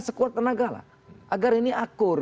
sekuat tenaga lah agar ini akur